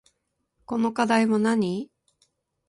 この課題はなに